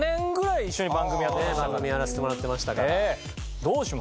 番組やらせてもらってましたから。